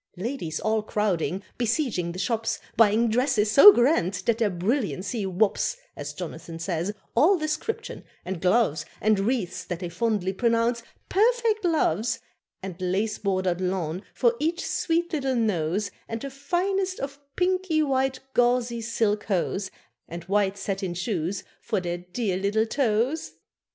Ladies all crowding, besieging the shops, Buying dresses so grand that their brilliancy whops (As Jonathan says) all description, and gloves And wreaths that they fondly pronounce "perfect loves," And lace bordered lawn for each sweet little nose, And the finest of pinky white gauzy silk hose, And white satin shoes for their dear little toes.